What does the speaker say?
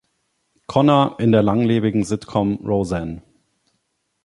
Conner" in der langlebigen Sitcom "Roseanne".